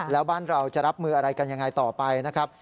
แล้วบ้านเราจะรับมืออะไรกันยังไงต่อไปนะครับ